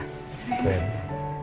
pak surya musara